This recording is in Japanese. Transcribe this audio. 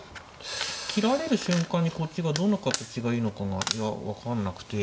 切られる瞬間にこっちがどの形がいいのかがいや分かんなくて。